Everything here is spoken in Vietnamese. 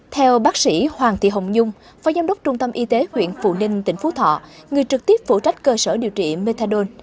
theo bác sĩ hoàng thị hồng nhung phó giám đốc trung tâm y tế huyện phụ ninh tỉnh phú thọ người trực tiếp phụ trách cơ sở điều trị methadone